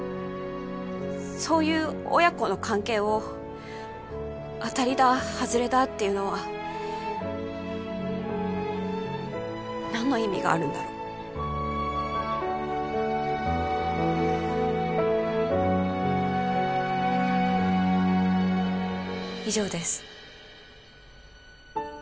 そういう親子の関係を当たりだハズレだっていうのは何の意味があるんだろ以上です